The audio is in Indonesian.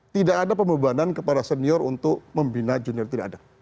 tidak ada pembebanan kepada senior untuk membina junior tidak ada